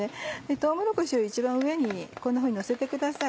とうもろこしを一番上にこんなふうにのせてください。